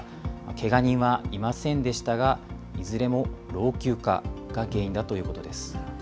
けが人はいませんでしたが、いずれも老朽化が原因だということです。